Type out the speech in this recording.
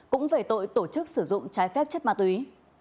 cũng về tội tổ chức sử dụng trái phép chất ma túy